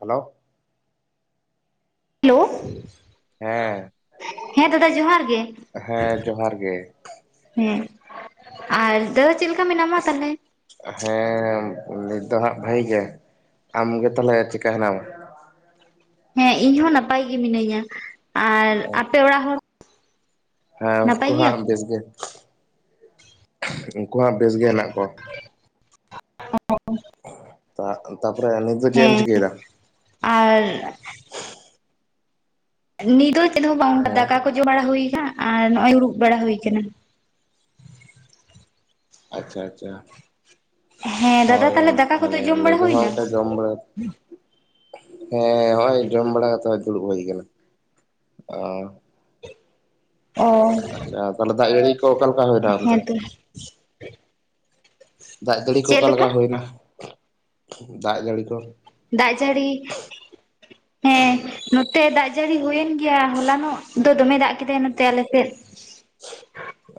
Hello hello ᱦᱮᱸ ᱦᱮᱸ ᱫᱟᱫᱟ ᱡᱚᱦᱟᱨ ᱜᱮ᱾ ᱦᱮᱸ ᱡᱚᱦᱟᱨ ᱜᱮ ᱦᱮᱸ ᱟᱨ ᱫᱚ ᱪᱮᱫ ᱞᱮᱠᱟ ᱢᱮᱱᱟᱢᱟ ᱛᱟᱦᱚᱞᱮ? ᱦᱮᱸ ᱱᱤᱛ ᱫᱚ ᱦᱟᱸᱜ ᱵᱷᱟᱹᱜᱤ ᱜᱮ, ᱟᱢ ᱜᱮ ᱛᱟᱦᱚᱞᱮ ᱪᱮᱫᱠᱟ ᱦᱮᱱᱟᱢᱟ ᱾ ᱦᱮᱸ ᱤᱧ ᱦᱚᱸ ᱱᱟᱯᱟᱭ ᱜᱮ ᱢᱤᱱᱟᱹᱧᱟ ᱟᱨ ᱟᱯᱮ ᱚᱲᱟᱜ ᱦᱚᱲ ᱦᱮᱸ ᱱᱟᱯᱟᱭ ᱩᱱᱠᱩ ᱜᱮᱭᱟ ᱦᱟᱸᱜ ᱠᱚ ᱵᱮᱥ ᱜᱮ ᱩᱱᱠᱩ ᱦᱟᱸᱜ ᱵᱮᱥ ᱜᱮ ᱦᱮᱱᱟᱜ ᱠᱚᱣᱟ᱾ [unintelligible] ᱛᱟᱯᱚᱨᱮ ᱱᱤᱛ ᱫᱚ ᱪᱮᱜᱼᱮᱢ ᱦᱮᱸ ᱪᱤᱠᱟᱹᱭᱫᱟ? ᱟᱨ ᱱᱤᱛ ᱫᱚ ᱪᱮᱫ ᱦᱚᱸ ᱵᱟᱝ ᱦᱮᱸ ᱫᱟᱠᱟ ᱠᱚ ᱡᱚᱢ ᱵᱟᱲᱟ ᱦᱩᱭ ᱠᱟᱱᱟ ᱟᱨ ᱱᱚᱜᱼᱚᱭ ᱫᱩᱲᱩᱵ ᱵᱟᱲᱟ ᱦᱩᱭ ᱠᱟᱱᱟ᱾ ᱟᱪᱪᱷᱟ ᱟᱪᱪᱷᱟ ᱦᱮᱸ ᱫᱟᱫᱟ ᱦᱳᱭ ᱛᱟᱦᱚᱞᱮ ᱫᱟᱠᱟ ᱚᱝᱠᱟ ᱠᱚᱫᱚ ᱡᱚᱢ ᱵᱟᱲᱟ ᱦᱩᱭᱱᱟ ᱜᱮ [unintelligible] ᱡᱚᱢ ᱵᱟᱲᱟ ᱦᱮᱸ ᱦᱚᱸᱜᱼᱚᱭ ᱡᱚᱢ ᱵᱟᱲᱟ ᱟᱛᱮᱜ ᱦᱚᱸᱜᱼᱚᱭ ᱫᱩᱲᱩᱵ ᱦᱩᱭ ᱠᱟᱱᱟ ᱚᱸ᱾ ᱚ ᱟᱪᱪᱷᱟ ᱛᱟᱦᱞᱮ ᱡᱟᱹᱜᱤ ᱠᱚ ᱚᱠᱟᱞᱠᱟ ᱦᱩᱭᱱᱟ ᱚᱱᱛᱮ? ᱦᱮᱸᱛᱚ ᱫᱟᱜ ᱡᱟᱹᱲᱤ ᱠᱚ ᱪᱮᱫ ᱞᱮᱠᱟ ᱚᱠᱟᱞᱮᱠᱟ ᱦᱩᱭᱱᱟ ᱫᱟᱜ ᱡᱟᱹᱲᱤ ᱠᱚ? ᱫᱟᱜ ᱡᱟᱹᱲᱤ ᱦᱮᱸ ᱱᱚᱛᱮ ᱫᱟᱜ ᱡᱟᱹᱲᱤ ᱦᱩᱭᱮᱱ ᱜᱮᱭᱟ ᱦᱚᱞᱟᱱᱚᱜ ᱫᱚ ᱫᱚᱢᱮ ᱫᱟᱜ ᱠᱮᱫᱟᱭ ᱱᱚᱛᱮ ᱟᱞᱮᱥᱮᱫ᱾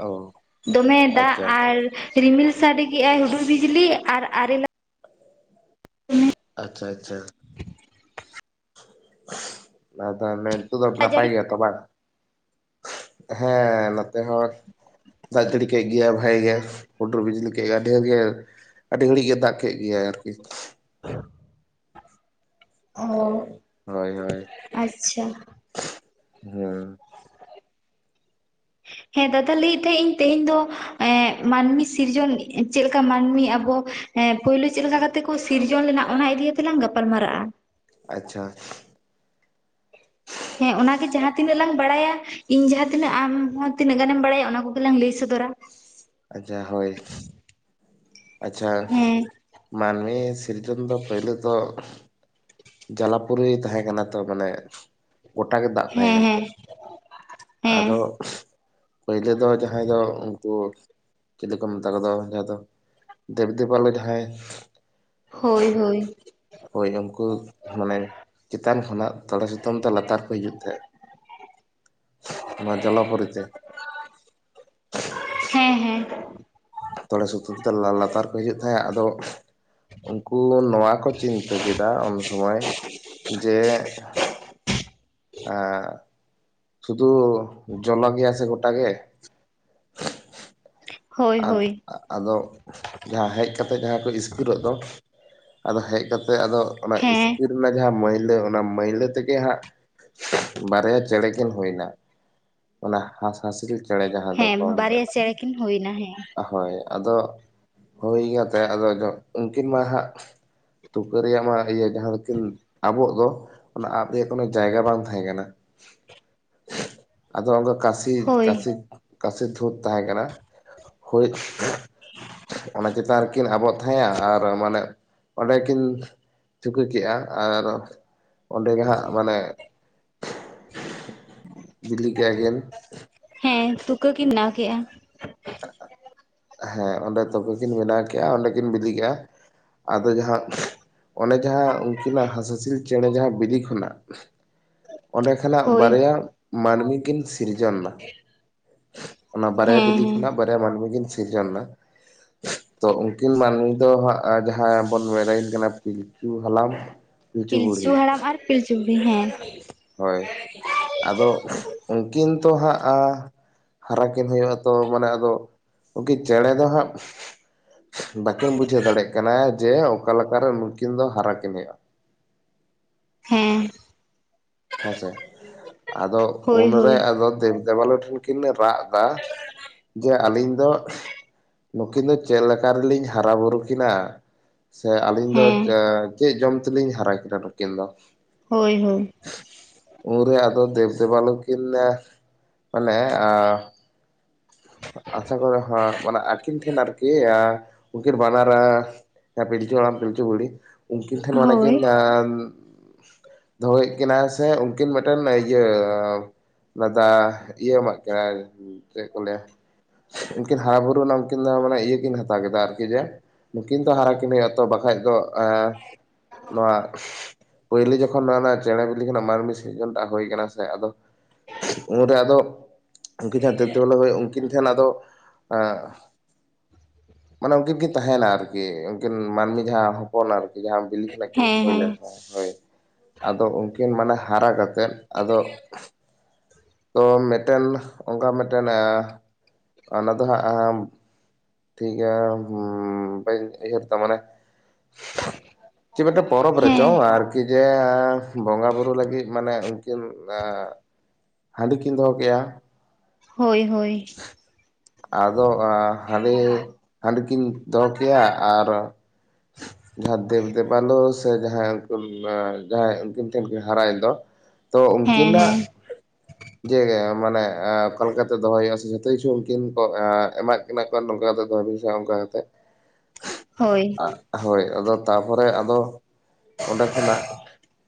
ᱚ ᱫᱚᱢᱮ ᱫᱟᱜ ᱟᱪᱪᱷᱟ ᱟᱪᱪᱷᱟ ᱟᱨ ᱨᱤᱢᱤᱞ ᱥᱟᱰᱮ ᱠᱮᱜᱼᱟᱭ ᱦᱩᱰᱩᱨ ᱵᱤᱡᱽᱞᱤ ᱟᱨ ᱟᱨᱮᱞᱟ [unintelligible] ᱟᱪᱪᱷᱟ ᱟᱪᱪᱷᱟ ᱢᱟ ᱛᱟᱦᱞᱮ ᱤᱛᱚᱜ ᱫᱚ ᱱᱟᱯᱟᱭ ᱡᱟᱹᱲᱤ ᱜᱮᱭᱟᱢ? ᱛᱚ ᱵᱟᱝ ᱦᱮᱸ ᱱᱚᱛᱮ ᱦᱚᱸ ᱫᱟᱜ ᱡᱟᱹᱲᱤ ᱠᱮᱜ ᱜᱮᱭᱟ ᱵᱷᱟᱹᱜᱮ ᱜᱮ, ᱦᱩᱰᱩᱨ ᱵᱤᱡᱽᱞᱤ ᱠᱮᱜ ᱟᱰᱮᱭᱜᱮ ᱟᱹᱰᱤ ᱜᱷᱟᱹᱲᱤᱡ ᱜᱮ ᱫᱟᱜ ᱠᱮᱫ ᱜᱮᱭᱟᱭ ᱟᱨᱠᱤ᱾ [inaudible] ᱚ ᱦᱳᱭ ᱦᱳᱭ ᱟᱪᱪᱷᱟ᱾ ᱦᱩᱸ ᱦᱮᱸ ᱫᱟᱫᱟ ᱞᱟᱹᱭᱮ ᱛᱟᱦᱮᱸᱜ ᱤᱧ ᱛᱮᱦᱮᱧ ᱫᱚ ᱮᱸ ᱢᱟᱹᱱᱢᱤ ᱥᱤᱨᱡᱚᱱ ᱪᱮᱫ ᱞᱮᱠᱟ ᱢᱟᱹᱱᱢᱤ ᱟᱵᱚ ᱦᱮᱸ ᱯᱩᱭᱞᱩ ᱪᱮᱜᱼᱞᱮᱠᱟ ᱠᱟᱛᱮ ᱠᱚ ᱥᱤᱨᱡᱚᱱ ᱞᱮᱱᱟ ᱚᱱᱟ ᱤᱫᱤᱭᱟᱛᱮ ᱞᱟᱝ ᱜᱟᱯᱟᱞ ᱢᱟᱨᱟᱜᱼᱟ᱾ ᱟᱪᱪᱷᱟ᱾ ᱦᱮᱸ ᱚᱱᱟᱜᱮ ᱡᱟᱦᱟᱸ ᱛᱤᱱᱟᱹᱜ ᱞᱟᱝ ᱵᱟᱲᱟᱭᱟ᱾ ᱤᱧ ᱡᱟᱦᱟᱸᱛᱤᱱᱟᱹᱜ ᱟᱢ ᱦᱚᱸ ᱛᱤᱱᱟᱹᱜ ᱜᱟᱱᱮᱢ ᱵᱟᱲᱟᱭᱟ ᱚᱱᱟ ᱠᱚᱜᱮᱞᱟᱝ ᱞᱟᱹᱭ ᱥᱚᱫᱚᱨᱟ᱾ ᱟᱪᱪᱷᱟ ᱦᱳᱭ᱾ ᱟᱪᱪᱷᱟ ᱦᱮᱸ ᱢᱟᱱᱢᱤ ᱥᱤᱨᱡᱚᱱ ᱫᱚ ᱯᱳᱭᱞᱳ ᱫᱚ ᱡᱟᱞᱟᱯᱩᱨᱤ ᱛᱟᱦᱮᱸ ᱠᱟᱱᱟ ᱛᱚ ᱢᱟᱱᱮ ᱜᱚᱴᱟᱜ ᱜᱮ ᱫᱟᱜ ᱦᱮᱸ ᱛᱟᱦᱮᱸ ᱠᱟᱱᱟ ᱦᱮᱸ ᱦᱮᱸ ᱟᱫᱚ ᱯᱳᱭᱞᱳ ᱫᱚ ᱡᱟᱦᱟᱸᱭ ᱫᱚ ᱩᱝᱠᱩ ᱪᱤᱞᱤ ᱠᱚ ᱢᱮᱛᱟ ᱠᱚᱫᱚ ᱡᱟᱦᱟᱸ ᱫᱚ ᱫᱮᱵᱽᱫᱮᱵᱟᱞᱳ ᱡᱟᱦᱟᱸᱭ᱾ ᱦᱳᱭ ᱦᱳᱭ᱾ ᱦᱳᱭ ᱩᱝᱠᱩ ᱢᱟᱱᱮ ᱪᱮᱛᱟᱱ ᱠᱷᱚᱱᱟᱜ ᱛᱚᱲᱮ ᱥᱩᱛᱟᱹᱢ ᱛᱮ ᱞᱟᱛᱟᱨ ᱠᱚ ᱦᱤᱡᱩᱜ ᱛᱟᱦᱮᱸᱜ᱾ ᱱᱚᱣᱟ ᱡᱚᱞᱚ ᱯᱩᱨᱤᱛᱮ᱾ ᱦᱮᱸ ᱦᱮᱸ ᱛᱚᱲᱮ ᱥᱩᱛᱟᱹᱢ ᱛᱮ ᱞᱟᱛᱟᱨ ᱠᱚ ᱦᱤᱡᱩᱜ ᱛᱟᱦᱮᱸᱜ ᱟᱫᱚ ᱩᱝᱠᱩ ᱱᱚᱣᱟ ᱠᱚ ᱪᱤᱱᱛᱟᱹ ᱠᱮᱫᱟ ᱩᱱ ᱥᱚᱢᱚᱭ ᱡᱮ ᱟ ᱥᱩᱫᱷᱩ ᱡᱚᱞᱟ ᱜᱮᱭᱟ ᱥᱮ ᱜᱳᱴᱟ ᱜᱮ᱾ [unintelligible] ᱦᱳᱭ ᱟᱫᱚ ᱡᱟᱸᱦᱟ ᱦᱮᱡ ᱠᱟᱛᱮ ᱡᱟᱸᱦᱟ ᱠᱚ ᱤᱥᱠᱤᱨᱚᱜ ᱫᱚ ᱟᱫᱚ ᱦᱮᱡ ᱠᱟᱛ ᱥᱮ ᱟᱫᱚ ᱚᱱᱟ ᱦᱮᱸ ᱤᱥᱠᱤᱨ ᱨᱮᱱᱟᱜ ᱡᱟᱸᱦᱟ ᱢᱟᱹᱭᱞᱟᱹ ᱚᱱᱟ ᱢᱟᱹᱭᱞᱟᱹ ᱛᱮᱜᱮ ᱦᱟᱸᱜ ᱵᱟᱨᱭᱟ ᱪᱮᱸᱬᱮ ᱠᱤᱱ ᱦᱳᱭ ᱱᱟ ᱚᱱᱟ ᱦᱟᱸᱥ ᱦᱟᱸᱥᱞᱤ ᱪᱮᱸᱬᱮ ᱡᱟᱸᱦᱟ ᱫᱚ ᱦᱮᱸ ᱠᱚ ᱢᱮᱱ ᱵᱟᱨᱭᱟ ᱪᱮᱬᱮ ᱠᱤᱱ ᱦᱩᱭᱱᱟ ᱦᱮᱸ᱾ ᱦᱳᱭ ᱟᱫᱚ, ᱦᱳᱭ ᱠᱟᱛᱮᱜ ᱟᱫᱚ ᱩᱱᱠᱤᱱ ᱢᱟ ᱦᱟᱸᱜ ᱛᱩᱠᱟᱹ ᱨᱮᱭᱟᱜ ᱢᱟ ᱤᱭᱟᱹ ᱡᱟᱸᱦᱟ ᱫᱚᱠᱤᱱ ᱟᱵᱚᱜ ᱫᱚ᱾ ᱚᱱᱟ ᱟᱵᱽ ᱨᱮᱭᱟᱜ ᱠᱳᱱᱳ ᱡᱟᱭᱜᱟ ᱵᱟᱝ ᱛᱟᱸᱦᱮ ᱠᱟᱱᱟ᱾ [inaudible] ᱟᱫᱚ ᱚᱝᱠᱟ ᱠᱟᱥᱤ ᱦᱳᱭ ᱠᱟᱥᱤ ᱠᱟᱥᱤ ᱫᱷᱩᱸᱛ ᱛᱟᱸᱦᱮ ᱠᱟᱱᱟ᱾ ᱦᱳᱭ [inaudible] ᱚᱱᱟ ᱪᱮᱛᱟᱱ ᱨᱮ ᱠᱤᱱ ᱟᱵᱚᱜ ᱛᱟᱦᱮᱸᱜᱼᱟ ᱟᱨ ᱢᱟᱱᱮ ᱚᱸᱰᱮ ᱠᱤᱱ ᱛᱩᱠᱟᱹ ᱠᱮᱜ-ᱟ, ᱟᱨ ᱚᱸᱰᱮ ᱜᱮ ᱦᱟᱜ ᱢᱟᱱᱮ [inaudible] ᱵᱤᱞᱤ ᱠᱮᱜ ᱟᱹᱠᱤᱱ ᱦᱮᱸ ᱛᱩᱠᱟᱹ ᱠᱤᱱ ᱵᱮᱱᱟᱣ ᱠᱮᱫᱼᱟ᱾ ᱦᱮᱸ ᱚᱸᱰᱮ ᱛᱩᱠᱟᱹ ᱠᱤᱱ ᱵᱮᱱᱟᱣ ᱠᱮᱫ-ᱟ, ᱚᱸᱰᱮ ᱠᱤᱱ ᱵᱤᱞᱤ ᱠᱮᱫᱼᱟ᱾ ᱟᱫᱚ ᱡᱟᱸᱦᱟ ᱚᱱᱮ ᱡᱟᱸᱦᱟ ᱩᱱᱠᱤᱱᱟᱜ ᱦᱟᱸᱥᱼᱦᱟᱸᱥᱞᱤ ᱪᱮᱸᱬᱮ ᱡᱟᱸᱦᱟ ᱵᱤᱞᱤ ᱠᱷᱚᱱᱟᱜ, ᱚᱸᱰᱮ ᱠᱷᱚᱱᱟᱜ ᱦᱳᱭ ᱵᱟᱨᱭᱟ ᱢᱟᱹᱱᱢᱤ ᱠᱤᱱ ᱥᱤᱨᱡᱚᱱ ᱮᱱᱟ᱾ ᱚᱱᱟ ᱵᱟᱨᱭᱟ ᱦᱮᱸ ᱵᱤᱞᱤ ᱦᱮᱸ ᱠᱷᱚᱱᱟᱜ ᱵᱟᱨᱭᱟ ᱢᱟᱹᱱᱢᱤ ᱠᱤᱱ ᱥᱤᱨᱡᱚᱱ ᱮᱱᱟ ᱛᱚ ᱩᱱᱠᱤᱱ ᱢᱟᱹᱱᱢᱤ, ᱫᱚ ᱦᱟᱜ ᱡᱟᱸᱦᱟ ᱵᱚᱱ ᱢᱮᱱᱟ ᱠᱤᱱ ᱠᱟᱱᱟ ᱯᱤᱞᱪᱩ ᱦᱟᱲᱟᱢ᱾ ᱯᱤᱞᱪᱩ ᱦᱟᱲᱟᱢ ᱟᱨ ᱯᱤᱞᱪᱩ ᱵᱩᱰᱷᱤ ᱦᱮᱸ, ᱦᱳᱭ ᱟᱫᱚ ᱩᱱᱠᱤᱱ ᱛᱚ ᱦᱟᱸᱜ, ᱦᱟᱨᱟ ᱠᱤᱱ ᱦᱩᱭᱩᱜ-ᱟ ᱛᱚ ᱢᱟᱱᱮ ᱟᱫᱚ ᱩᱱᱠᱤᱱ ᱪᱮᱸᱬᱮ ᱫᱚ ᱦᱟᱜ, ᱵᱟᱹᱠᱤᱱ ᱵᱩᱡᱷᱟᱹᱣ ᱫᱟᱲᱮᱭᱟᱜ ᱠᱟᱱᱟ ᱡᱮ ᱚᱠᱟᱞᱮᱠᱟᱨᱮ ᱱᱩᱠᱤᱱ ᱫᱚ ᱦᱟᱨᱟᱠᱤᱱ ᱦᱩᱭᱩᱜᱼᱟ᱾ ᱦᱮᱸ ᱦᱮᱸᱥᱮ ᱟᱫᱚ ᱦᱳᱭ ᱩᱱᱨᱮ ᱦᱳᱭ ᱟᱫᱚ ᱫᱮᱵ ᱫᱮᱵᱟᱞᱚ ᱴᱷᱮᱱ ᱠᱤᱱ ᱨᱟᱜ ᱮᱫᱟ ᱡᱮ ᱟᱹᱞᱤᱧ ᱫᱚ ᱱᱩᱠᱤᱱ ᱫᱚ ᱪᱮᱫ ᱞᱮᱠᱟ ᱨᱮᱞᱤᱧ ᱦᱟᱨᱟ ᱵᱩᱨᱩ ᱠᱤᱱᱟ ᱥᱮ ᱟᱹᱞᱤᱧ ᱫᱚ ᱦᱮᱸ ᱪᱮᱫ ᱡᱚᱢ ᱛᱮᱞᱤᱧ ᱦᱟᱨᱟ ᱠᱤᱱᱟ ᱱᱩᱠᱤᱱ ᱫᱚ ᱦᱳᱭ ᱦᱳᱭ ᱩᱱᱨᱮ ᱟᱫᱚ ᱫᱮᱵᱽᱼᱫᱮᱵᱟᱞᱳ ᱠᱤᱱ ᱢᱟᱱᱮ [unintelligible] ᱠᱚᱨᱮ ᱦᱟᱸᱜ ᱢᱟᱱᱮ ᱟᱹᱠᱤᱱ ᱴᱷᱮᱱ ᱟᱨᱠᱤ ᱟᱹᱠᱤᱱ [unintelligible] ᱵᱟᱱᱟᱨ ᱟᱨ [unintelligible] ᱯᱤᱞᱪᱩ ᱦᱟᱲᱟᱢ ᱯᱤᱞᱪᱩ ᱵᱩᱲᱦᱤ ᱩᱱᱠᱤᱱ ᱴᱷᱮᱱ ᱢᱟᱱᱮ ᱦᱳᱭ ᱠᱤᱱ [unintelligible] ᱫᱚᱦᱚᱭᱮᱫ ᱠᱤᱱᱟᱹ ᱥᱮ ᱩᱱᱠᱤᱱ ᱢᱤᱫᱴᱮᱱ ᱤᱭᱟᱹ ᱚᱱᱟᱫᱚ ᱤᱭᱟᱹ ᱮᱢᱟᱜ ᱠᱤᱱᱟ ᱪᱮᱫ ᱠᱚ ᱞᱟᱹᱭᱟ, ᱩᱱᱠᱤᱱ ᱦᱟᱨᱟ ᱵᱩᱨᱩ ᱨᱮᱱᱟᱜ ᱩᱱᱠᱤᱱ ᱫᱚ ᱢᱟᱱᱮ ᱤᱭᱟᱹ ᱠᱤᱱ ᱦᱟᱛᱟᱣ ᱠᱮᱫᱟ ᱟᱨᱠᱤ ᱡᱮ, ᱱᱩᱠᱤᱱ ᱫᱚ ᱦᱟᱨᱟ ᱠᱤᱱ ᱦᱩᱭᱩᱜ-ᱟ ᱛᱚ ᱵᱟᱠᱷᱟᱡ ᱫᱚ [unintelligible] ᱱᱚᱣᱟ ᱯᱳᱭᱞᱤ ᱡᱚᱠᱷᱚᱱ [unintelligible] ᱪᱮᱸᱬᱮ ᱵᱤᱞᱤ ᱠᱷᱚᱱᱟᱜ ᱢᱟᱹᱱᱢᱤ ᱥᱤᱨᱡᱚᱱ ᱴᱟᱜ ᱦᱩᱭ ᱠᱟᱱᱟ ᱥᱮ ᱟᱫᱚ ᱩᱱᱨᱮ ᱟᱫᱚ, ᱩᱱᱠᱤᱱ ᱡᱟᱸᱦᱟ ᱫᱮᱵ ᱫᱮᱵᱟᱞᱳ ᱩᱱᱠᱤᱱ ᱴᱷᱮᱱ ᱟᱫᱚ ᱢᱟᱱᱮ ᱩᱱᱠᱤᱱ ᱠᱤᱱ ᱛᱟᱸᱦᱮᱱᱟ ᱟᱨᱠᱤ ᱩᱱᱠᱤᱱ ᱢᱟᱹᱱᱢᱤ ᱡᱟᱸᱦᱟ, ᱦᱚᱯᱚᱱ ᱟᱨᱠᱤ ᱡᱟᱸᱦᱟ ᱵᱤᱞᱤ ᱠᱷᱚᱱᱟᱜ ᱠᱤᱱ ᱦᱮᱸ ᱦᱩᱭ ᱞᱮᱱ ᱦᱮᱸ ᱛᱟᱸᱦᱮᱫ ᱟᱫᱚ ᱩᱱᱠᱤᱱ ᱢᱟᱱᱮ ᱦᱟᱨᱟ ᱠᱟᱛᱮᱫ, ᱟᱫᱚ [unintelligible] ᱛᱚ ᱢᱤᱫᱴᱮᱱ ᱚᱱᱠᱟ ᱢᱤᱫᱴᱮᱱ ᱚᱱᱟ ᱫᱚ ᱦᱟᱸᱜ ᱟᱢ ᱴᱷᱤᱠ ᱜᱮᱭᱟ ᱵᱟᱹᱧ ᱩᱭᱦᱟᱹᱨ ᱮᱫᱟ ᱢᱟᱱᱮ [unintelligible] ᱪᱮᱫ ᱢᱤᱫᱴᱟᱝ ᱯᱚᱨᱚᱵᱽ ᱨᱮ ᱦᱮᱸ ᱪᱚᱝ ᱟᱨᱠᱤ ᱡᱮ ᱵᱚᱸᱜᱟ ᱵᱩᱨᱩ ᱞᱟᱹᱜᱤᱫ ᱢᱟᱱᱮ ᱩᱱᱠᱤᱱ [unintelligible] ᱦᱟᱺᱰᱤ ᱠᱤᱱ ᱫᱚᱦᱚ ᱠᱮᱜᱼᱟ ᱦᱳᱭ ᱦᱳᱭ ᱟᱫᱚ ᱦᱟᱸᱜ [unintelligible] ᱦᱟᱺᱰᱤ ᱠᱤᱱ ᱫᱚᱦᱚ ᱠᱮᱫᱟ ᱟᱨ [unintelligible] ᱡᱟᱦᱟᱸ ᱫᱮᱵ ᱫᱮᱵᱟᱞᱚ ᱥᱮ ᱡᱟᱦᱟᱸᱭ ᱡᱟᱦᱟᱸ ᱩᱱᱠᱤᱱ ᱴᱷᱮᱱ ᱠᱤᱱ ᱦᱟᱨᱟᱭ ᱮᱱ ᱫᱚ ᱛᱚ ᱦᱮᱸ ᱩᱱᱠᱤᱱᱟᱜ ᱦᱮᱸ [unintelligible] ᱡᱮ ᱢᱟᱱᱮ ᱚᱠᱟ ᱞᱮᱠᱟᱛᱮ ᱫᱚᱦᱚᱭ ᱦᱩᱭᱩᱜᱼᱟ ᱥᱮ ᱡᱚᱛᱚ ᱠᱤᱪᱷᱩ ᱠᱤᱱ ᱠᱚ ᱮ ᱮᱢᱟᱜ ᱠᱤᱱᱟ ᱠᱚ ᱱᱚᱝᱠᱟ ᱠᱟᱛᱮ ᱫᱚᱦᱚᱭ ᱵᱤᱱ ᱥᱮ ᱚᱱᱠᱟ ᱠᱟᱛᱮ ᱦᱳᱭ ᱦᱳᱭ ᱟᱫᱚ ᱛᱟᱨᱯᱚᱨᱮ ᱟᱫᱚ ᱚᱸᱰᱮ ᱠᱷᱚᱱᱟᱜ,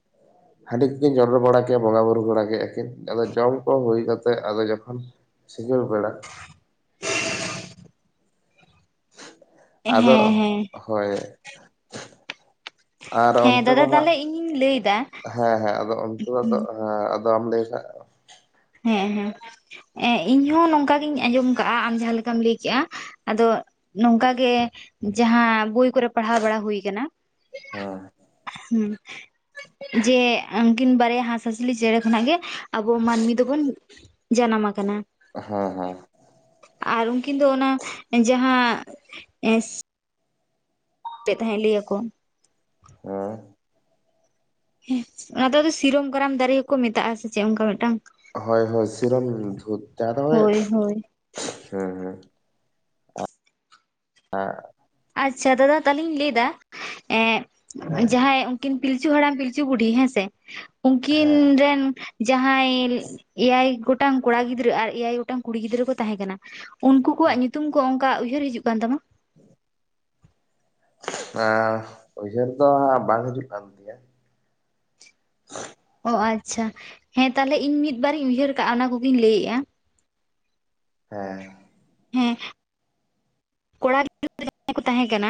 [unintelligible] ᱦᱟᱺᱰᱤ ᱠᱚ ᱠᱤᱱ ᱪᱚᱰᱚᱨ ᱵᱟᱲᱟ ᱠᱮᱜᱼᱟ ᱵᱚᱸᱜᱟ ᱵᱩᱨᱩ ᱵᱟᱲᱟ ᱠᱮᱜᱼᱟ ᱠᱤᱱ ᱟᱫᱚ ᱡᱚᱢ ᱠᱚ ᱦᱩᱭ ᱠᱟᱛᱮᱫ ᱟᱫᱚ ᱡᱚᱠᱷᱚᱱ ᱥᱤᱸᱜᱟᱹᱲ ᱵᱮᱲᱟ [unintelligible] ᱟᱫᱚ ᱦᱮᱸ ᱦᱮᱸ [unintelligible] ᱦᱳᱭ ᱟᱨ ᱦᱮᱸ ᱚᱱᱛᱮ ᱫᱚ ᱫᱟᱫᱟ ᱦᱟᱸᱜ ᱛᱟᱦᱚᱞᱮ ᱤᱧᱤᱧ ᱞᱟᱹᱭ ᱮᱫᱟ ᱦᱮᱸ ᱦᱮᱸ ᱟᱫᱚ ᱚᱱᱛᱮ ᱫᱚ ᱟᱫᱚ ᱦᱮᱸ ᱟᱫᱚᱢ ᱞᱟᱹᱭ ᱠᱷᱟᱡ ᱦᱮᱸ ᱦᱮᱸ ᱤᱧᱦᱚᱸ ᱱᱚᱝᱠᱟ ᱜᱤᱧ ᱟᱸᱡᱚᱢ ᱠᱟᱜᱼᱟ ᱟᱢ ᱡᱟᱦᱟᱸ ᱞᱮᱠᱟᱢ ᱞᱟᱹᱭᱠᱮᱜᱼᱟ ᱟᱫᱚ ᱱᱚᱝᱠᱟᱜᱮ ᱡᱟᱦᱟᱸ ᱵᱳᱭ ᱠᱚᱨᱮ ᱯᱟᱲᱦᱟᱣ ᱵᱟᱲᱟ ᱦᱩᱭ ᱟᱠᱟᱱᱟ ᱦᱮᱸ ᱦᱩᱸ ᱡᱮ ᱩᱱᱝᱠᱤᱱ ᱵᱟᱨᱭᱟ ᱦᱟᱸᱥ ᱦᱟᱸᱥᱞᱤ ᱪᱮᱬᱮ ᱠᱷᱚᱱᱟᱜ ᱜᱮ ᱟᱵᱚ ᱢᱟᱹᱱᱢᱤ ᱫᱚ ᱵᱚᱱ ᱡᱟᱱᱟᱢ ᱟᱠᱟᱱᱟ ᱦᱮᱸ ᱦᱮᱸ ᱟᱨ ᱩᱱᱠᱤᱱ ᱫᱚ ᱚᱱᱟ ᱡᱟᱦᱟᱸ ᱮᱥᱼᱼ [unintelligible] ᱛᱟᱦᱮᱸᱫ ᱞᱟᱹᱭ ᱟᱠᱚ ᱦᱮᱸ ᱚᱱᱟ ᱫᱚ ᱟᱫᱚ ᱥᱤᱨᱚᱢ ᱠᱟᱨᱟᱢ ᱫᱟᱨᱮ ᱦᱚᱸᱠᱚ ᱢᱮᱛᱟᱜ ᱟ ᱥᱮ ᱪᱮᱫ ᱚᱱᱠᱟ ᱢᱤᱫᱴᱟᱝ ᱦᱳᱭ ᱦᱳᱭ ᱥᱤᱨᱚᱢ ᱫᱷᱩᱛ [unintelligible] ᱮ ᱦᱳᱭ ᱦᱳᱭ ᱦᱮᱸ ᱦᱮᱸ ᱟᱜ ᱟᱪᱪᱷᱟ ᱫᱟᱫᱟ ᱛᱟᱦᱚᱞᱮᱧ ᱞᱟᱹᱭ ᱫᱟ ᱮ ᱦᱮᱸ ᱡᱟᱦᱟᱸᱭ ᱩᱱᱠᱤᱱ ᱯᱤᱞᱪᱩ ᱦᱟᱲᱟᱢ ᱯᱤᱞᱪᱩ ᱵᱩᱰᱷᱤ ᱦᱮᱸ ᱥᱮ ᱩᱱᱠᱤᱱ ᱦᱮᱸ ᱨᱮᱱ ᱡᱟᱦᱟᱸᱭ ᱮᱭᱟᱭ ᱜᱚᱴᱟᱝ ᱠᱚᱲᱟ ᱜᱤᱫᱽᱨᱟᱹ ᱟᱨ ᱮᱭᱟᱭ ᱜᱚᱴᱟᱝ ᱠᱩᱲᱤ ᱜᱤᱫᱽᱨᱟᱹ ᱠᱚ ᱛᱟᱦᱮᱸ ᱠᱟᱱᱟ ᱩᱱᱠᱩ ᱠᱚᱣᱟᱜ ᱦᱮᱸ ᱧᱩᱛᱩᱢ ᱠᱚ ᱚᱱᱠᱟ ᱩᱭᱦᱟᱹᱨ ᱦᱤᱡᱩᱜ ᱠᱟᱱ ᱛᱟᱢᱟ? ᱮᱸ ᱩᱭᱦᱟᱹᱨ ᱫᱚ ᱵᱟᱝ ᱦᱤᱡᱩᱜ ᱠᱟᱱ ᱛᱤᱧᱟᱹ ᱚ ᱟᱪᱪᱷᱟ ᱦᱮᱸ ᱛᱟᱦᱚᱞᱮ ᱤᱧ ᱢᱤᱫ ᱵᱟᱨ ᱤᱧ ᱩᱭᱦᱟᱹᱨ ᱠᱟᱜᱼᱟ ᱚᱱᱟ ᱠᱚᱜᱤᱧ ᱞᱟᱹᱭᱮᱜᱼᱟ ᱦᱮᱸ ᱦᱮᱸ ᱠᱚᱲᱟ ᱜᱤᱫᱽᱨᱟᱹ ᱡᱟᱦᱟᱸᱭ ᱠᱚ ᱛᱟᱦᱮᱸ ᱠᱟᱱᱟ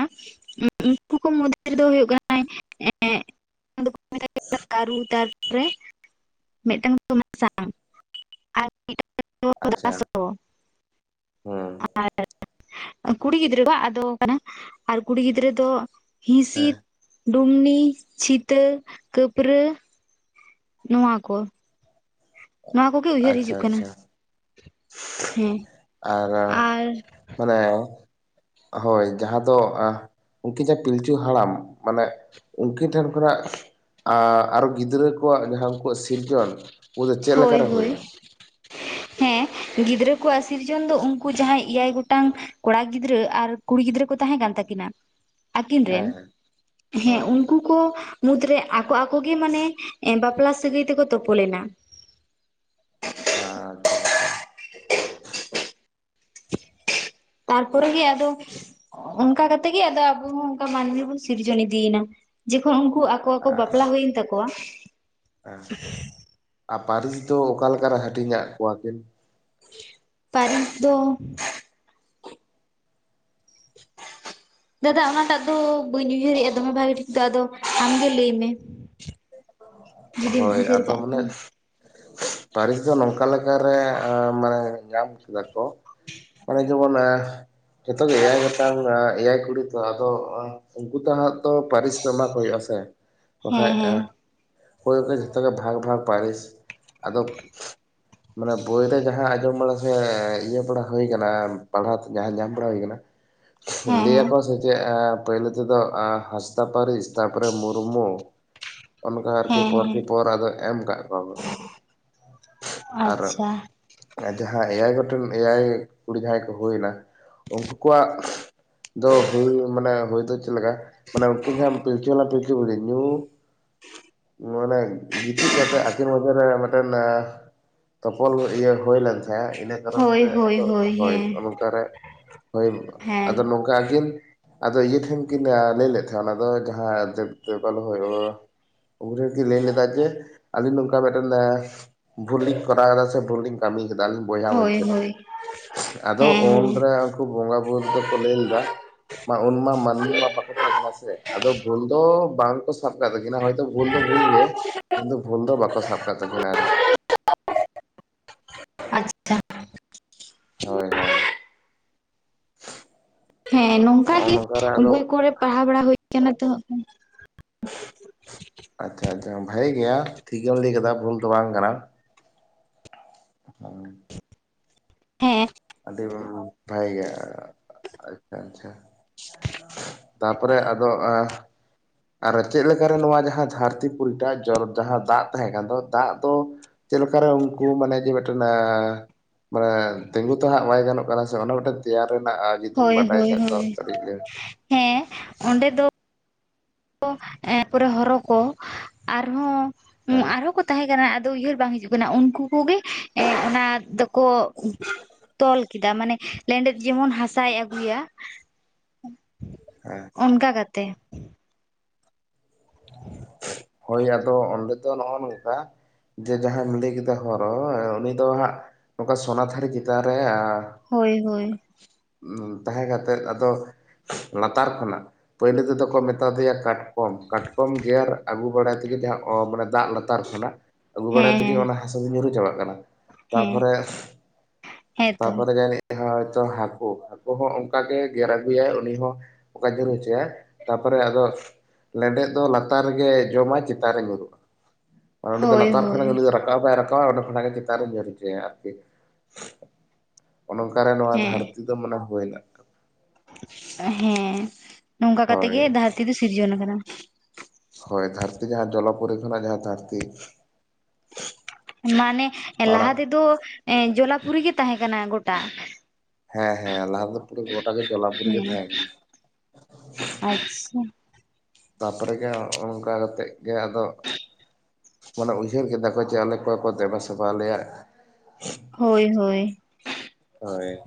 ᱩᱱᱠᱩ ᱠᱚ ᱢᱚᱫᱽᱫᱷᱮ ᱨᱮᱫᱚ ᱦᱩᱭᱩᱜ ᱠᱟᱱᱟ ᱦᱮᱸ ᱫᱚᱠᱚ ᱢᱮ ᱠᱟᱹᱨᱩ ᱛᱟᱨᱼ ᱯᱚᱨᱮ ᱢᱤᱫᱴᱟᱝ ᱫᱚ ᱠᱚ ᱢᱮ [unintelligible] ᱟᱨ ᱢᱤᱫᱴᱟᱝ ᱟᱪᱪᱷᱟ ᱦᱩᱸ [unintelligible] ᱟᱨ ᱠᱩᱲᱤ ᱜᱤᱫᱽᱨᱟᱹ ᱵᱟ ᱟᱫᱚ ᱠᱟᱱᱟ ᱟᱨ ᱠᱩᱲᱤ ᱜᱤᱫᱽᱨᱟᱹ ᱫᱚ ᱦᱤᱥᱤ ᱦᱮᱸ ᱰᱩᱢᱱᱤ, ᱪᱷᱤᱛᱟᱹ, ᱠᱟᱹᱯᱨᱟᱹ ᱱᱚᱣᱟ ᱠᱚ ᱱᱚᱣᱟ ᱠᱚᱜᱮ ᱩᱭᱦᱟᱹᱨ ᱟᱪᱪᱷᱟ ᱦᱤᱡᱩᱜ ᱠᱟᱱᱟ ᱟᱪᱪᱷᱟ ᱦᱮᱸ ᱟᱨ ᱟᱨ ᱢᱟᱱᱮ ᱦᱳᱭ ᱡᱟᱦᱟᱸ ᱫᱚ ᱩᱱᱠᱤᱱ ᱡᱟᱦᱟᱸ ᱯᱤᱞᱪᱩ ᱦᱟᱲᱟᱢ ᱢᱟᱱᱮ ᱩᱱᱠᱤᱱ ᱴᱷᱮᱱ ᱠᱷᱚᱱᱟᱜ ᱟᱨ ᱟᱨᱚ ᱜᱤᱫᱽᱨᱟᱹ ᱠᱚᱣᱟᱜ ᱡᱟᱦᱟᱸ ᱩᱱᱠᱩᱣᱟᱜ ᱥᱤᱨᱡᱚᱱ ᱫᱚ ᱪᱮᱫ ᱞᱮᱠᱟ ᱦᱳᱭ ᱨᱮ ᱦᱳᱭ ᱦᱩᱭᱮᱱᱟ ᱦᱮᱸ ᱜᱤᱫᱽᱨᱟᱹ ᱠᱚᱣᱟᱜ ᱥᱤᱨᱡᱚᱱ ᱫᱚ ᱩᱱᱠᱩ ᱡᱟᱦᱟᱸᱭ ᱮᱭᱟᱭ ᱜᱚᱴᱟᱝ ᱠᱚᱲᱟ ᱜᱤᱫᱽᱨᱟᱹ ᱟᱨ ᱠᱩᱲᱤ ᱜᱤᱫᱽᱨᱟᱹ ᱠᱚ ᱛᱟᱦᱮᱸ ᱠᱟᱱ ᱛᱟᱹᱠᱤᱱᱟ ᱟᱹᱠᱤᱱ ᱦᱮᱸ ᱨᱮᱱ ᱦᱮᱸ ᱦᱮᱸ ᱦᱳᱭ ᱩᱱᱠᱩ ᱠᱚ ᱢᱩᱫᱽᱨᱮ ᱟᱠᱚ ᱟᱠᱚ ᱜᱮ ᱢᱟᱱᱮ ᱵᱟᱯᱞᱟ ᱥᱟᱹᱜᱟᱹᱭ ᱛᱮᱠᱚ ᱛᱩᱯᱚᱞᱮᱱᱟ ᱟᱪᱪᱷᱟ ᱟᱪᱪᱷᱟ ᱛᱟᱨᱯᱚᱨᱮ ᱜᱮ ᱟᱫᱚ ᱚᱱᱠᱟ ᱠᱟᱛᱮᱜ ᱜᱮ ᱟᱫᱚ ᱟᱵᱚ ᱦᱚᱸ ᱚᱱᱠᱟ ᱢᱟᱹᱱᱢᱤ ᱵᱚᱱ ᱥᱤᱨᱡᱚᱱ ᱤᱫᱤᱭᱮᱱᱟ ᱡᱚᱠᱷᱚᱱ ᱩᱱᱠᱩ ᱟᱠᱚ ᱟᱠᱚ ᱵᱟᱯᱞᱟ ᱦᱩᱭᱮᱱ ᱛᱟᱠᱚᱣᱟ ᱦᱮᱸ ᱟᱨ ᱯᱟᱹᱨᱤᱥ ᱫᱚ ᱚᱠᱟ ᱞᱮᱠᱟᱨᱮ ᱦᱟᱹᱴᱤᱧᱟᱫ ᱠᱚᱣᱟ ᱠᱤᱱ ᱯᱟᱨᱤᱥ ᱫᱚ ᱫᱟᱫᱟ ᱚᱱᱟᱴᱟᱜ ᱫᱚ ᱵᱟᱹᱧ ᱩᱭᱦᱟᱹᱨᱮᱜᱼᱟ ᱫᱚᱢᱮ ᱵᱷᱟᱜᱮ ᱴᱷᱤᱠ ᱟᱫᱚ ᱟᱢᱜᱮ ᱞᱟᱹᱭ ᱢᱮ ᱡᱩᱫᱤᱢ ᱦᱳᱭ ᱩᱭᱦᱟᱹᱨ ᱟᱫᱚ ᱠᱟᱜ ᱢᱟᱱᱮ ᱠᱷᱟᱱ ᱯᱟᱹᱨᱤᱥ ᱫᱚ ᱱᱚᱝᱠᱟ ᱞᱮᱠᱟᱨᱮ ᱢᱟᱱᱮ ᱧᱟᱢ ᱠᱮᱫᱟ ᱠᱚ ᱢᱟᱱᱮ ᱡᱮᱢᱚᱱ ᱡᱚᱛᱚ ᱜᱮ ᱮᱭᱟᱭ ᱜᱚᱴᱟᱝ ᱮᱭᱟᱭ ᱠᱩᱲᱤ ᱛᱚ ᱟᱫᱚ ᱩᱱᱠᱩ ᱛᱚ ᱦᱟᱸᱜ ᱛᱚ ᱯᱟᱨᱤᱥ ᱫᱚ ᱮᱢᱟ ᱠᱚ ᱦᱩᱭᱩᱜ ᱟ ᱥᱮ ᱵᱟᱠᱷᱟᱡ ᱦᱮᱸ ᱦᱮᱸ ᱦᱩᱭ ᱜᱮ ᱡᱷᱚᱛᱚ ᱜᱮ ᱵᱷᱟᱜᱽ ᱵᱷᱟᱜᱽ ᱯᱟᱨᱤᱥ ᱟᱫᱚ ᱢᱟᱱᱮ ᱵᱳᱭ ᱨᱮ ᱡᱟᱦᱟᱸ ᱟᱸᱡᱚᱢ ᱵᱟᱲᱟ ᱥᱮ ᱤᱭᱟᱹ ᱵᱟᱲᱟ ᱦᱩᱭ ᱟᱠᱟᱱᱟ ᱯᱟᱲᱦᱟᱣ ᱛᱮ ᱡᱟᱦᱟᱸ ᱧᱟᱢ ᱵᱟᱲᱟ ᱦᱩᱭ ᱟᱠᱟᱱᱟ ᱦᱮᱸ ᱦᱮᱸ ᱞᱟᱭᱟᱠᱚ ᱥᱮᱪᱮᱜ ᱮᱸ ᱯᱟᱭᱞᱳ ᱛᱮᱫᱚ ᱟ ᱦᱟᱸᱥᱫᱟ ᱯᱟᱨᱤᱥ ᱛᱟᱯᱚᱨᱮ ᱢᱩᱨᱢᱩ ᱚᱱᱠᱟ ᱟᱨᱠᱤ ᱦᱮᱸ ᱯᱚᱨᱠᱮ ᱦᱮᱸ ᱯᱚᱨ ᱟᱫᱚ ᱮᱢ ᱠᱟᱜ ᱠᱚᱣᱟ ᱠᱚ᱾ ᱟᱨ ᱟᱪᱪᱷᱟ ᱡᱟᱦᱟᱸ ᱮᱭᱟᱭ ᱜᱚᱴᱮᱱ ᱮᱭᱟᱭ ᱠᱩᱲᱤ ᱡᱟᱦᱟᱸᱭ ᱠᱚ ᱦᱩᱭᱱᱟ ᱩᱝᱠᱩ ᱠᱚᱣᱟᱜ ᱫᱚ ᱦᱩᱭ ᱢᱟᱱᱮ ᱦᱩᱭ ᱫᱚ ᱪᱮᱫ ᱞᱮᱠᱟ ᱢᱟᱱᱮ ᱩᱱᱠᱤᱱ ᱡᱟᱦᱟᱸ ᱯᱤᱞᱪᱩ ᱵᱟᱞᱟ ᱯᱤᱞᱪᱩ ᱵᱩᱲᱦᱤ ᱧᱩ ᱢᱟᱱᱮ ᱜᱤᱛᱤᱡ ᱠᱟᱛᱮᱜ ᱟᱹᱠᱤᱱ ᱢᱚᱫᱽᱷᱮ ᱨᱮ ᱢᱤᱫᱴᱮᱱ ᱟᱸ ᱛᱚᱯᱚᱞ ᱤᱭᱟᱹ ᱦᱩᱭ ᱞᱮᱱ ᱛᱟᱦᱮᱸᱜᱼᱟ᱾ ᱤᱱᱟᱹ ᱠᱟᱨᱚᱱ ᱦᱳᱭ ᱛᱮ ᱦᱳᱭ ᱟᱫᱚ ᱦᱳᱭ ᱦᱮᱸ ᱱᱚᱝᱠᱮ ᱨᱮ ᱦᱳᱭ ᱦᱮᱸ ᱟᱫᱚ ᱱᱚᱝᱠᱟ ᱟᱠᱤᱱ ᱟᱫᱚ ᱤᱭᱟᱹ ᱴᱷᱮᱱ ᱠᱤᱱ ᱞᱟᱹᱭ ᱞᱮᱫ ᱛᱟᱦᱮᱸᱱᱟ ᱚᱱᱟ ᱫᱚ ᱡᱟᱦᱟᱸ [unintelligible] ᱩᱱᱨᱮ ᱠᱤᱱ ᱞᱟᱹᱭ ᱞᱮᱫᱟ ᱡᱮ ᱟᱹᱞᱤᱧ ᱱᱚᱝᱠᱟ ᱢᱤᱫᱴᱮᱱ ᱮ ᱵᱷᱩᱞᱤᱝ ᱠᱚᱨᱟᱣᱫᱟ ᱥᱮ ᱵᱷᱩᱞᱤᱧ ᱠᱟᱹᱢᱤᱭ ᱠᱮᱫᱟ ᱟᱹᱞᱤᱧ ᱵᱚᱭᱦᱟ ᱦᱳᱭ ᱢᱚᱫᱽᱫᱷᱮ ᱨᱮ ᱦᱳᱭ ᱟᱫᱚ ᱦᱮᱸ ᱦᱮᱸ ᱩᱱᱨᱮ ᱠᱩ ᱵᱚᱸᱜᱟ ᱵᱩᱨᱩ ᱫᱚᱠᱚ ᱞᱟᱹᱭ ᱞᱮᱫᱟ᱾ ᱢᱟ ᱩᱱᱢᱟ ᱢᱟᱹᱱᱢᱤ ᱢᱟ ᱵᱟᱠᱚ ᱛᱟᱦᱮᱸ ᱠᱟᱱᱟ ᱥᱮ ᱟᱫᱚ ᱵᱷᱩᱞ ᱫᱚ ᱵᱟᱝᱠᱚ ᱥᱟᱵ ᱠᱟᱜ ᱠᱤᱱᱟ ᱦᱚᱭᱛᱚ ᱵᱷᱩᱞ ᱫᱚ ᱵᱷᱩᱞ ᱜᱮ ᱠᱤᱱᱛᱩ ᱵᱷᱩᱞ ᱫᱚ ᱵᱟᱠᱚ ᱥᱟᱵ ᱠᱟᱜ ᱛᱟᱹᱠᱤᱱᱟ ᱟᱨ [unintelligible] ᱟᱪᱪᱷᱟ [unintelligible] ᱦᱳᱭ ᱦᱳᱭ ᱦᱮᱸ ᱱᱚᱝᱠᱟ ᱦᱚᱜᱼᱚ ᱜᱮ ᱱᱚᱝᱠᱟᱨᱮ ᱟᱫᱚ ᱵᱳᱭ ᱠᱚᱨᱮ ᱯᱟᱲᱦᱟᱣ ᱵᱟᱲᱟ ᱦᱩᱭ ᱠᱟᱱᱟ ᱛᱚ᱾ ᱟᱪᱪᱷᱟ ᱟᱪᱪᱷᱟ ᱵᱷᱟᱹᱜᱤ ᱜᱮᱭᱟ ᱴᱷᱤᱠ ᱜᱮᱢ ᱞᱟᱹᱭ ᱠᱟᱫᱟ ᱵᱷᱩᱞ ᱫᱚ ᱵᱟᱝ ᱠᱟᱱᱟ᱾ [inaudible] ᱦᱮᱸ ᱟᱰᱤ [unintelligible] ᱟᱪᱪᱷᱟ ᱟᱪᱪᱷᱟ ᱛᱟᱯᱚᱨᱮ ᱟᱫᱚ ᱟᱸ ᱟᱨ ᱪᱮᱫ ᱞᱮᱠᱟᱨᱮ ᱱᱚᱣᱟ ᱡᱟᱦᱟᱸ ᱫᱷᱟᱹᱨᱛᱤ ᱯᱩᱨᱤᱴᱟ ᱡᱚ ᱡᱟᱦᱟᱸ ᱫᱟᱜ ᱛᱟᱦᱮᱸ ᱠᱟᱱ ᱫᱚ ᱫᱟᱜ ᱫᱚ ᱪᱮᱫ ᱞᱮᱠᱟᱨᱮ ᱩᱱᱠᱩ ᱢᱟᱱᱮ ᱡᱮ ᱢᱤᱫᱴᱮᱱ ᱮᱸ ᱢᱟᱱᱮ ᱛᱤᱸᱜᱩ ᱛᱚ ᱦᱟᱸᱜ ᱵᱟᱭ ᱜᱟᱱᱚᱜ ᱠᱟᱱᱟ ᱥᱮ ᱚᱱᱟ ᱢᱤᱫᱴᱮᱱ ᱛᱮᱭᱟᱨ ᱨᱮᱱᱟᱜ ᱮᱸ ᱡᱩᱫᱤᱢ ᱦᱳᱭ ᱵᱟᱰᱟᱭ ᱦᱳᱭ ᱠᱷᱟᱡ ᱫᱚ ᱦᱳᱭ ᱠᱟᱹᱴᱤᱡ ᱞᱟᱹᱭ ᱢᱮ? ᱦᱮᱸ ᱠᱚ ᱮᱸ ᱯᱚᱨᱮ ᱦᱚᱨᱚ ᱠᱚ ᱟᱨᱦᱚᱸ ᱦᱮᱸ ᱟᱨᱦᱚᱸ ᱛᱟᱦᱮᱸ ᱠᱟᱱᱟ ᱟᱫᱚ ᱩᱭᱦᱟᱹᱨ ᱵᱟᱝ ᱦᱤᱡᱩᱜ ᱠᱟᱱᱟ ᱩᱝᱠᱩ ᱠᱚᱜᱮ ᱚᱱᱟ ᱫᱚᱠᱚ ᱛᱚᱞ ᱠᱮᱫᱟ ᱢᱟᱱᱮ ᱞᱮᱸᱰᱮᱛ ᱡᱮᱢᱚᱱ ᱦᱟᱥᱟᱭ ᱟᱹᱜᱩᱭᱟ᱾ ᱦᱮᱸ ᱚᱱᱠᱟ ᱠᱟᱛᱮ᱾ ᱦᱳᱭ ᱟᱫᱚ ᱚᱸᱰᱮ ᱫᱚ ᱱᱚᱜᱼᱚ ᱱᱚᱝᱠᱟ ᱡᱮ ᱡᱟᱦᱟᱸᱢ ᱞᱟᱹᱭ ᱠᱮᱫᱟ ᱦᱚᱨᱚ ᱩᱱᱤ ᱫᱚ ᱦᱟᱸᱜ ᱱᱚᱝᱠᱟ ᱥᱚᱱᱟᱛᱷᱟᱹᱨᱤ ᱪᱮᱛᱟᱱ ᱨᱮ ᱟᱸ ᱦᱳᱭ ᱦᱳᱭ ᱩᱸ ᱛᱟᱦᱮᱸ ᱠᱟᱛᱮᱫ ᱟᱫᱚ ᱞᱟᱛᱟᱨ ᱠᱷᱚᱱᱟᱜ ᱯᱟᱹᱭᱞᱳ ᱛᱮᱫᱚ ᱠᱚ ᱢᱮᱛᱟ ᱫᱮᱭᱟ ᱠᱟᱴᱠᱚᱢ ᱠᱟᱴ ᱠᱚᱢ ᱜᱮᱨ ᱟᱹᱜᱩ ᱵᱟᱲᱟᱭ ᱛᱮᱜᱮ ᱡᱟᱦᱟᱸ ᱚ ᱢᱟᱱᱮ ᱫᱟᱜ ᱞᱟᱛᱟᱨ ᱠᱷᱚᱱᱟᱜ ᱟᱹᱜᱩ ᱵᱟᱲᱟᱭ ᱦᱮᱸ ᱛᱮᱜᱮ ᱦᱮᱸ ᱚᱱᱟ ᱦᱟᱥᱟ ᱫᱚ ᱧᱩᱨᱩ ᱪᱟᱵᱟᱜ ᱠᱟᱱᱟ ᱦᱮᱸ ᱛᱟᱯᱚᱨᱮ ᱦᱮᱸᱛᱚ ᱛᱟᱯᱚᱨᱮ ᱡᱟᱱᱤᱡ ᱦᱚᱭᱛᱚ ᱦᱟᱹᱠᱩ, ᱦᱟᱹᱠᱩ ᱦᱚᱸ ᱚᱝᱠᱟᱜ ᱜᱮᱨ ᱟᱹᱜᱩᱭᱟᱭ ᱩᱱᱤ ᱦᱚᱸ ᱚᱠᱟ ᱡᱟᱹᱨ ᱦᱚᱪᱚᱭᱟ ᱛᱟᱨᱯᱚᱨᱮ ᱟᱫᱚ ᱞᱮᱸᱰᱮᱫ ᱫᱚ ᱞᱟᱛᱟᱨ ᱨᱮᱜᱮ ᱡᱚᱢᱟᱭ ᱪᱮᱛᱟᱱ ᱨᱮ ᱧᱩᱨᱦᱩᱜᱼᱟ ᱢᱟᱱᱮ ᱚᱰᱮ ᱫᱚ ᱦᱳᱭ ᱞᱟᱛᱟᱨ ᱦᱳᱭ ᱠᱷᱚᱱᱟᱜ ᱫᱚ ᱨᱟᱠᱟ ᱛᱟᱣ ᱵᱟᱭ ᱨᱠᱟᱵᱟ ᱚᱸᱰᱮ ᱠᱷᱚᱱᱟᱜ ᱪᱮᱛᱟᱱᱨᱮ ᱡᱫᱤᱠ ᱟᱨᱠᱤ᱾ ᱚᱱᱮ ᱚᱝᱠᱟ ᱨᱮ ᱱᱚᱣᱟ ᱫᱷᱟᱹᱨᱛᱤ ᱫᱚ ᱢᱚᱱᱮ ᱦᱩᱭᱱᱟ᱾ ᱮ ᱦᱮᱸ ᱱᱚᱝᱠᱟ ᱠᱟᱛᱮᱜ ᱜᱮ ᱦᱳᱭ ᱫᱟᱹᱨᱛᱤ ᱫᱚ ᱥᱤᱨᱡᱚᱱ ᱟᱠᱟᱱᱟ᱾ ᱦᱳᱭ ᱫᱷᱟᱹᱨᱛᱤ ᱡᱟᱦᱟᱸ ᱡᱚᱞᱚ ᱯᱚᱨᱤ ᱠᱷᱚᱱᱟᱜ ᱡᱟᱦᱟᱸ ᱫᱷᱟᱹᱨᱛᱤ ᱢᱟᱱᱮ ᱢᱟᱲᱟᱝ ᱞᱟᱦᱟ ᱛᱮᱫᱚ ᱮᱸ ᱡᱚᱞᱟᱯᱩᱨᱤ ᱜᱮ ᱛᱟᱸᱦᱮᱸ ᱠᱟᱱᱟ ᱜᱚᱴᱟ᱾ ᱦᱮᱸ ᱦᱮᱸ ᱞᱟᱦᱟ ᱫᱚ ᱯᱩᱨᱟᱹ ᱜᱚᱴᱟ ᱜᱮ ᱡᱚᱞᱟᱯᱩᱨᱤ ᱜᱮ ᱦᱮᱸ ᱛᱟᱦᱮᱸ ᱠᱟᱱᱟ᱾ ᱟᱪᱪᱷᱟ ᱛᱟᱯᱚᱨᱮ ᱜᱮ ᱚᱚᱝᱠᱟ ᱠᱟ ᱠᱟᱛᱮᱫ ᱜᱮ ᱟᱫᱚ ᱢᱟᱱᱮ ᱩᱭᱦᱟᱹᱨ ᱠᱮᱫᱟᱠᱚ ᱡᱮ ᱟᱞᱮ ᱚᱠᱚᱭ ᱠᱚ ᱫᱮᱵᱟ ᱥᱮᱵᱟ ᱟᱞᱮᱭᱟ᱾ ᱦᱳᱭ ᱦᱳᱭ ᱦᱳᱭ